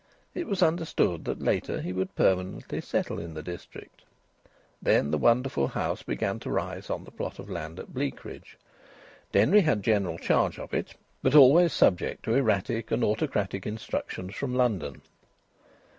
It was understood that later he would permanently settle in the district. Then the wonderful house began to rise on the plot of land at Bleakridge. Denry had general charge of it, but always subject to erratic and autocratic instructions from London.